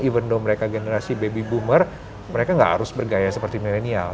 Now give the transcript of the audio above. even dow mereka generasi baby boomer mereka gak harus bergaya seperti milenial